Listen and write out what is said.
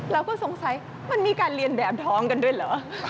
เราก็สงสัยมันมีการเรียนแบบท้องกันด้วยเหรอ